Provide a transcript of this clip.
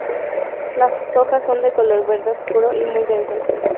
Las hojas son de color verde oscuro y muy densas.